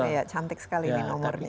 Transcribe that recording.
ya cantik sekali ini nomornya